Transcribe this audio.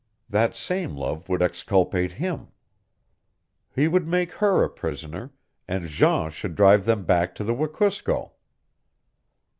That same love would exculpate him. He would make her a prisoner, and Jean should drive them back to the Wekusko.